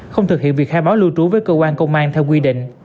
không thực hiện việc khai báo lưu trú với cơ quan công an theo quy định